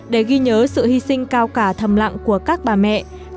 để ghi nhớ sự hy sinh cao cả thầm lặng của các bà mẹ